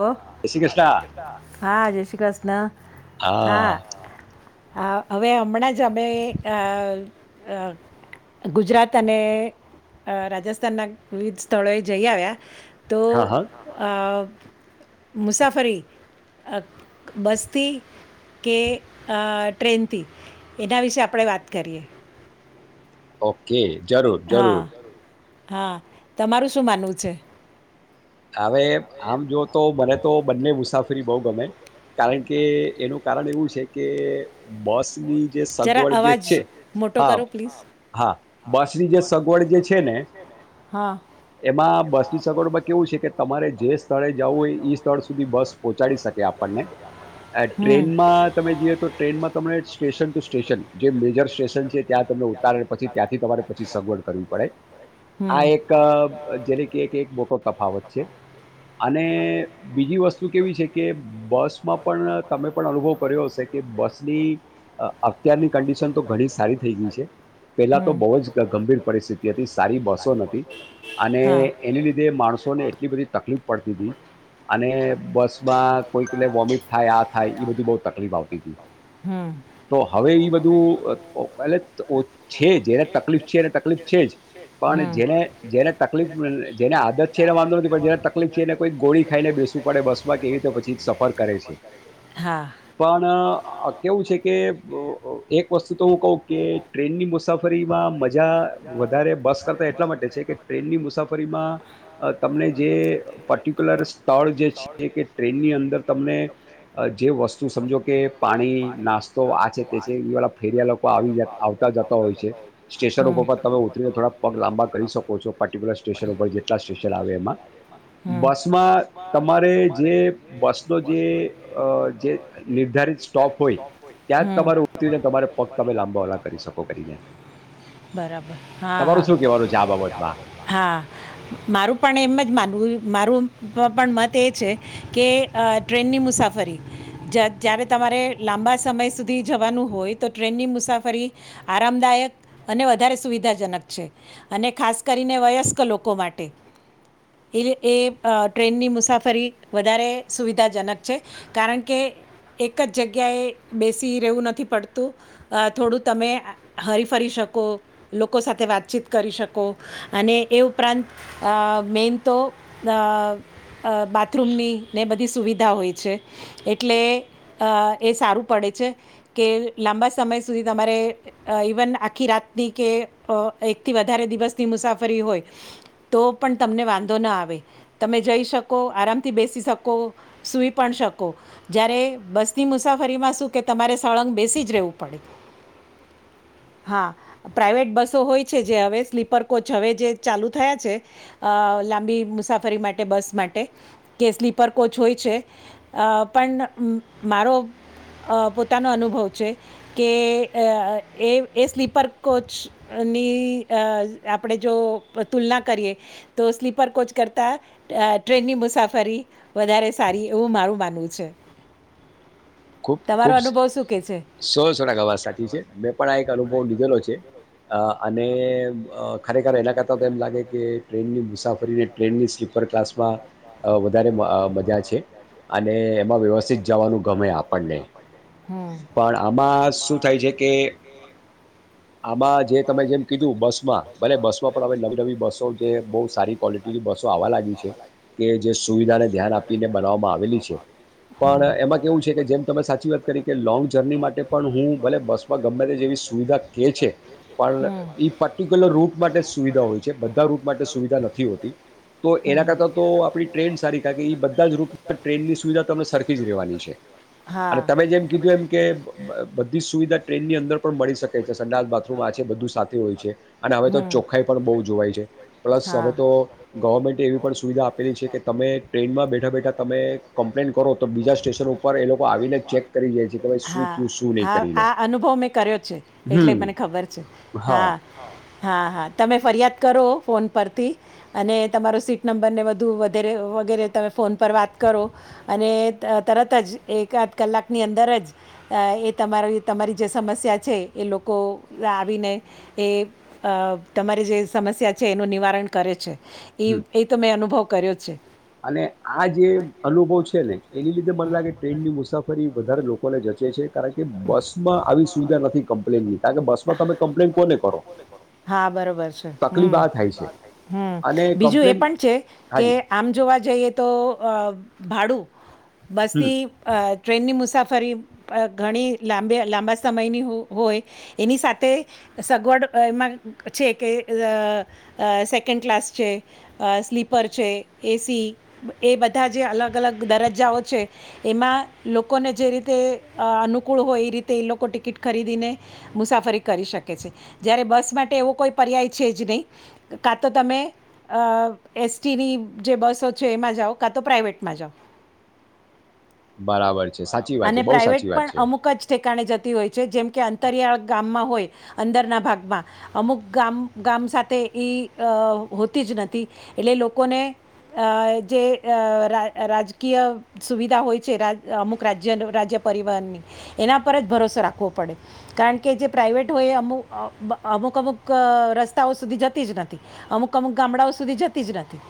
હ હા જય શ્રી કૃષ્ણન હા હા હવે હમણાં જ અ અ અમે ગુજરાત અને અને રાજસ્થાનના વિવિધ સ્થળોએ જઈ આવ્યા તો અ મુસાફરી‌ અ બસથી કે ટ્રેનથી એના વિશે આપણે વાત કરીએ ઓકે જરૂર જરૂર હા તમારું શું માનવું છે. હવે આમ જો તો મને તો બંને મુસાફરી બઉ ગમે કારણ કે એનું કારણ એવું છે કે બસની જે સગવડ જે છે હા હા બસની જે સગવડ જે છે ને એમાં બસ ની સગવડ કેવું છે કે તમારે જે સ્થળે જવું હોય ઈ સ્થળ સુધી બસ પહોંચાડી શકે આપણને ટ્રેનમાં તમે જઈએ તો ટ્રેનમાં તને સ્ટેશન ટુ સ્ટેશન જે મેજર સ્ટેશન છે ત્યાં તમને ઉતારે પછી ત્યાંથી તમારે પછી સગવડ કરવી પડે આ એક અ જેને કે કે મોટો તફાવત છે અને બીજી વસ્તુ કેવી છે કે બસમાં પણ તમે પણ અનુભવ કર્યો હશે કે બસની અત્યારની કંડિશન તો ઘણી સારી થઈ ગઈ છે, પેલા તો બહુ જ ગંભીર પરિસ્થિતિ હતી સારી બસો નથી, અને એની લીધે માણસો એટલી બધી તકલીફ પડતી હતી, અને બસમાં કોઈ વોમિટ થાય આ થાય એ બધી બ તકલીફ આવતી. તો હવે એ બધું એલે છે જેને તકલીફ છે એને તકલીફ છે જ, પણ જેને જેને તકલીફ જેને આદત છેને વાંધો નથી પડે જેને તકલીફ છે એને કોઈ ગોળી ખાઈને બેસવું પડે બસમાં કેવી રીતે પછી સફર કરે છે, પણ કેવું છે કે એક વસ્તુ તો હું કહું કે ટ્રેનની મુસાફરીમાં મજા વધારે બસ કરતાં એટલા માટે છે કે ટ્રેનની મુસાફરીમાં તમને જે પર્ટિક્યુલર સ્થળ જે છે કે ટ્રેનની અંદર તમને, જે વસ્તુ સમજો કે પાણી, નાસ્તો આ છે તે છે એવાળા ફેરિયા લોકો આવી જ આવતા જતા હોય છે, સ્ટેશન ઉપર પણ તમે ઉતરીને થોડાક પગ લાંબા કરી શકો છો પર્ટિક્યુલર સ્ટેશન ઉપર જેટલા સ્ટેશન ચલાવે એમાં, બસમાં તમારે જે બસનો જે નિર્ધારિત સ્ટોપ હોય. બરાબર હા હા હા મારું [unintelligible] પણ એમ જ માનવું મારું પણ મત એ છે, કે ટ્રેનની મુસાફરી, જ્યારે તમારે લાંબા સમય સુધી જવાનું હોય તો ટ્રેનની મુસાફરી, આરામદાયક અને વધારે સુવિધાજનક છે, અને ખાસ કરીને વયસ્ક લોકો માટે, એ એ ટ્રેનની મુસાફરી વધારે સુવિધાજનક છે, કારણ કે એક જ જગ્યાએ બે એ સી રહેવું નથી, પડતું થોડું તમે હરીફરી શકો લોકો સાથે વાતચીત કરી શકો, અને એ ઉપરાંત મેન તો બાથરૂમની ને બધી સુવિધા હોય છે, એટલે એ સારું પડે છે. કે લાંબા સમય સુધી તમારે ઇવન આખી રાતની કે એકથી વધારે દિવસની મુસાફરી હોય, તો પણ તમને વાંધો ના આવે તમે જઈ શકો આરામથી બેસી શકો, સુઈ પણ શકો જ્યારે બસની મુસાફરીમાં શું કે તમારે સળંગ બેસી જ રહેવું પડે, હા પ્રાઇવેટ બસો હોય છે જે હવે સ્લીપર કોચ હવે જે ચાલુ થયા છે, લાંબી મુસાફરી માટે બસ માટે, કે સ્લીપર કોચ હોય છે, પણ મારો પોતાનો અનુભવ છે, કે એ એ સ્લીપર કોચની આપણે જો તુલના કરીએ, તો સ્લીપર કોચ કરતાં ટ્રેનની મુસાફરી વધારે સારી એવું મારું માનવું છે. ખુબ ખુબ સો સોના ગવા સાચી છે મેં પણ આ એક અનુભવ લીધેલો છે. ખ એના કરતામ લે કે ટ્રેનની મુસાફરીને ટ્રેનની સ્લીપર ક્લાસમાં. વધારે મજા છે, અને માં વ્યવસ્થિત જવાનું ગમે આપ આપને, પણ આમાં શું થાય છે કે આમાં જે તમે જેમ કીધું બસમાં ભલે બસમાં પણ હવે નવી નવી બસો જે બહુ સારી ક્વલિટીની બસો આવવા લાગી છે, કે જે સુવિધાને ધ્યાન આપીને બનાવવામાં આવેલી છે, પણ એમાં કેવું છે કે જેમ તમે સાચી વાત કરી કે લોંગ જર્ની માટે પણ હું ભલે બસમાં ગમે તે જેવી સુવિધા કે છે, પણ એ પર્ટિક્યુલર રૂટ માટે જ સુવિધા હોય છે બધા રૂટ માટે સુવિધા નથી હોતી, તો એના કરતાં તો આપણી ટ્રેન સારી કા કે એ બધા જ રૂટ ટ્રેનની સુવિધા તમે સરખી જ રહેવાની છે. અને તમે જેમ કીધું એમ કે બધી જ સુવિધા ટ્રેનની અંદર પણ મળી શકે છે સંડાલ બાથરૂમ આ છે બધું સાથે હોય છે, અને હવે તો ચોખાઈ પણ બહુ જોવાય છે, પ્લસ હવે તો ગવર્મેન્ટ એવી પણ સુવિધા આપેલી છે કે તમે ટ્રેનમાં બેઠા બેઠા તમે કમ્પ્લેન કરો તો બીજા સ્ટેશન ઉપર હા હા આ અનુભવ મેં કર્યો છે, એટલે મને ખબર છે હા. હા હા તમે ફરિયાદ કરો ફોન પરથી, અને તમારો સીટ નંબરને બધું વધેરે વગેરે તમે ફોન પર વાત કરો, અને તરત જ એ એકાદ કલાકની અંદર જ, એ તમારી તમારી જે સમસ્યા છે એ લોકો આવીને, એ તમારી જે સમસ્યા છે એનું નિવારણ કરે છે. એ એ તોમે અનુભવ કર્યો છે. અને આ જે અનુભવ છે ને એની લીધે મને લાગે ટ્રેન્ડ ની મુસી મુસાફરી વધારે લોકોને જચે છે. કારણ કે બસમાં આવી સુવિધા નથી કમ્પ્લેનની કારણ કે બસમાં તમે કમ્પ્લેન કોને કરો. મ બીજું એ પણ છે કે આમ જોવા જઈએ તો ભાડું બસ થી ટ્રેનની મુસાફરી ફરી ઘણી લાંબે લાંબા સમયની હોય એની સાથે સગવડ એમાં છે કે સેકન્ડ ક્લાસ છે સ્લીપર છે એસી એ બધા જે અલગ અલગ દરજ્જાઓ છે એમાં લોકોને જે રીતે અનુકૂળ હોય એ રીતે એ લોકો ટિકિટ ખરીદીને મુસાફરી કરી શકે છે જ્યારે બસ માટે એવો કોઈ પર્યાય છે જ નહીં કાં તો તમે એસટીની જે બસો છે એમાં જાઓ કાં તો પ્રાઇવેટમાં જાઓ બરાબર છે સાચી વાત છે બહુ સાચી વાત પણ અમુક જ ઠકાણે જતી હોય છે જેમકે અંતરિયાળ ગામમાં હોય અંદરના ભાગમાં અમુક ગામ ગામ સાથે એ હોતી જ નથી એટલે લોકોને જે રાજકીય સુવિધા હોય છે અમુક રાજ્ય રાજ્ય પર એના પર જ ભરોસો રાખવો પડે કારણ કે જે પ્રાઇવેટ હોય અમુક અમુક અમુક રસ્તાઓ સુધી જતી જ નથી અમુક અમુક ગામડાઓ સુધી જતી જ નથી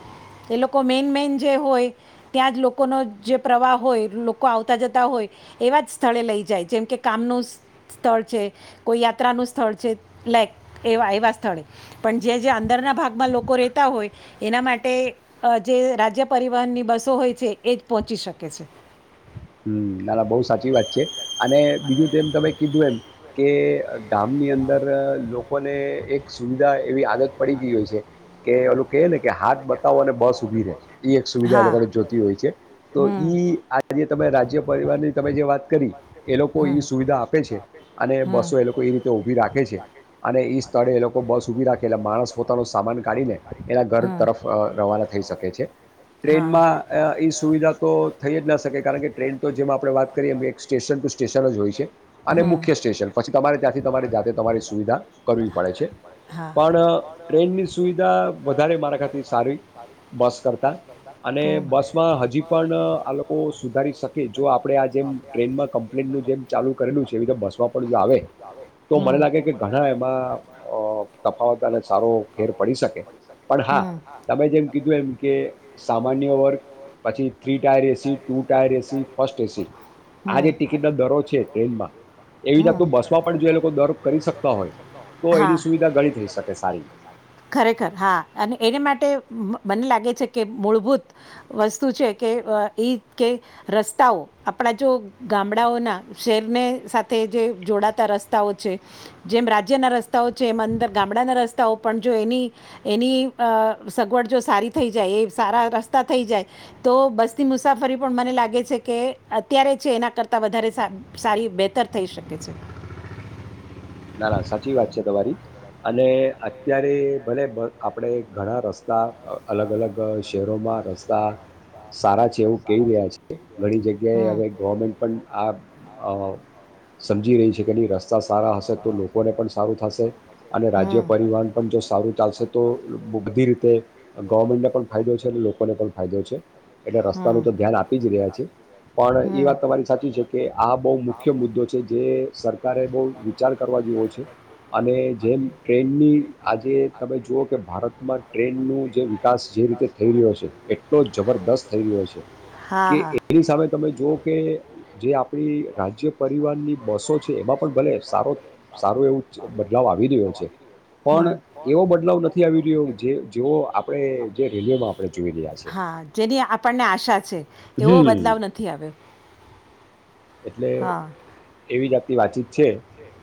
એ લોકો મેન મેન જે હોય ત્યાં જ લોકોનો જે પ્રવાહ હોય લોકો આવતા જતા હોય એવા જ સ્થળે લઈ જાય જેમ કે કામનું સ્થળ છે કોઈ યાત્રાનું સ્થળ છે લઇક એવા એવા સ્થળે પણ જ્યા જ્યા અંદરના ભાગમાં લોકો રહેતા હોય એના માટે જે રાજ્ય પરિવહનની બસો હોય છે એ જ પહોંચી શકે છે નાના બહુ સાચી વાત છે અને બીજું તેમ તમે કીધું એમ કે ગામની અંદર લોકોને એક સુવિધા એવી આદત પડી ગઈ હોય છે કે ઓ લોકો ક ને કે હાથ બતાવો અને બસ ઉભી રે એ એક સુવિધા એ લોકોને જોતી હોય છે તો આજે તમે રાજ્ય પરિવારની તમે જે વાત કરી એ લોકો એ સુવિધા આપે છે અને બસો એ લોકો એ રીતે ઊભી રાખે છે અને એ સ્થળે એ લોકો બસ ઊભી રાખે એટલે માણસ પોતાનો સામાન કાઢીને એના ઘર તરફ રવાના થઈ શકે છે ટ્રેનમાં એ સુવિધા તો થઈ જ ના શકે કારણ કે ટ્રેન તો જેમ આપણે વાત કરીએ એ એક સ્ટેશન ટુ સ્ટેશન સર જ હોય છે અને મુખ્ય સ્ટેશન પછી તમારે ત્યાંથી તમારે જાતે તમારી સુવિધા કરવી પડે છે પણ ટ્રેનની સુવિધા વધારે મારા ખાતે સારી બસ કરતા અને બસમાં હજી પણ આ લોકો સુધારી શક કે જો આપડે આ જેમ ટ્રેનમાં કમ્પ્લેનનુંું જેમ ચાલુ કરેલું છે જેવી રીતે બસવા પણ જો આવે તો મને લાગે કે ઘણા એમાં તફાવત અને સારો ફેર પડી શકે પણ હા તમે જેમ કીધું એમ કે સામાન્ય વર્ગ પછી three tier AC two tier AC first AC આ જે ટિકિટ ન દરો છે ટન હમ હા ખરેખર હા અને એને માટે મને લાગે છે કે મૂળભૂત વસ્તુ છે કે એ કે રસ્તાઓ આપણા જો ગામડાઓના શહેર ને સાથે જે જોડાતા રસ્તાઓ છે જેમ રાજ્યના રસ્તાઓ છે એમ અંદર ગામડાના રસ્તાઓ પણ જો એની એની સગવડ જો સારી થઈ જાય એ સારા રસ્તા થઈ જાય તો બસની મુસાફરી પણ મને લાગે છે કે અત્યારે છે એના કરતાં વધારે સારી બહેતર થઈ શકે છે ના ના સાચી વાત છે તમારી અને અત્યારે ભલે આપડે ઘણા રસ્તા અલગ અલગ શહેરોમાં રસ્તા સારા છે એવું કહી રહ્યા છે ઘણી જગ્યાએ હવે ગવર્મેન્ટ પણ આ સમજી રહી છે કે ન રસ્તા સારા હશે તો લોકોને પણ સારું થશે અને રાજ્ય પરિવહન પણ જો સારું ચાલશે તો બધી રીતે ગવમેન્ટ પણ ફાયદો છે અને લોકોને પણ ફાયદો છે એટલે રસ્તાનું તો ધ્યાન આપી જ રહ્યા છે પણ એ વાત તમારી સાચી છે કે આ બહુ મુખ્ય મુદ્દો છે જે સરકારે બહુ વિચાર જોવા જેવો છે. અને જેમ ટ્રેનની આજે તમે જુઓ કે ભારતમાં ટ્રેનનો જે વિકાસ જે રીતે થઈ રહ્યો છે. એટલો જબરદસ્ત થઈ રહ્યો છે. કે એની સામે તમે જોવો કે જે આપડી રાજ્ય પરિવહનની બસો છે એમાં પણ ભલે સારો સારુ એવુ બદલાવ આવી રહ્યો છે પણ એવો બદલવા નથી આવી રહ્યો જે જેવો આપડે. હા જેની આપડને આશા છે. એવો બદલાવ નથી આવ્યો. એટલે એવી જા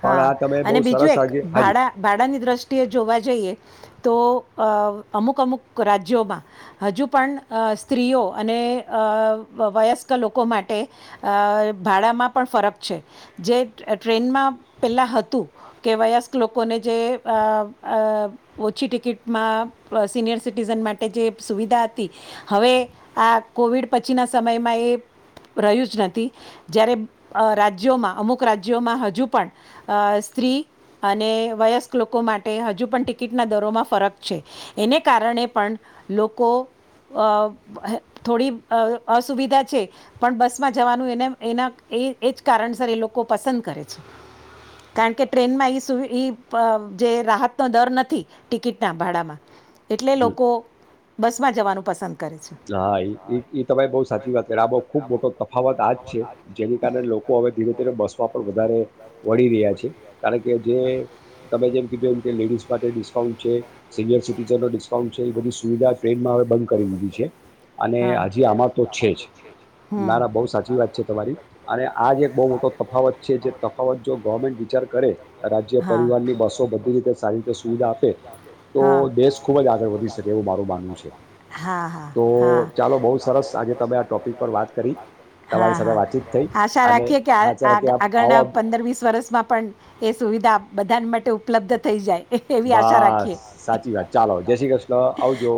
હા અને બીજું એક ભાડા ભાડાની દ્રષ્ટિ ટીએ જોવા જઈએ. તો અમુક અમુક રાજ્યોમાં હજુ પણ સ્ત્રીઓ અને વયસ્ક લોકો માટે અ ભાડામાં પણ ફરક છે. જે ટ્રેનમાં પહેલાં હતું કે વયસ્ક લોકોને જે અ અ ઓછી ટિકિટમાં સિનિયર સિટીઝન માટે જે સુવિધા હતી. હવે આ કોવિડ પછીના સમયમાં એ રહ્યું જ નથી. જ્યારે અ રાજ્યોમાં અમુક મૂક રાજ્યોમાં હજુ પણ સ્ત્રી અને વયસ્ક લોકો માટે હજુ પણ ટિકિટના દરોમાં ફરક છે. એને કારણે પણ લોકો અ થોડી અ અસુવિધા છે. પણ બસમાં જવાનું એને એના એ એ જ કારણસર એ લોક લોકો પસંદ કરે છે. કારણ કે ટ્રેનમાં ઈ સુવી ઈ પ એ જે રાહતનો દર નથી ટિકિટના ભાડામાં. એટલે લોકો બસમાં જવાનું પસંદ હા ઈ ઈ તમે બઉ સાચી વાત કરી. આ બ ખુબ મોટો તફાવત આજ છે. જેની કારણે લોકો હવે ધીરે તરફ બસ માં પણ વધારે વળી રહ્યા છે. કારણ કે જે તમે જેમ કીધું એમ કે લેડીઝ માટે ડિસ્કાઉન્ટ છે. સિનિયર સિટીઝનો ડિસ્કાઉન્ટ છે. એ બધી સુવિધા ટ્રેનમાં હવે બંધ કરી દીધી છે. હા, હમ હા હા હા આશા રાખીએ કે આ આ આગળના પંદર-વીસ વર્ષમાં પણ એ સુવિધા બધાને માટે ઉપલબ્ધ થઈ જાય. બસ સાચી વાત ચાલો. જય શ્રી કૃષ્ણ. આવજો.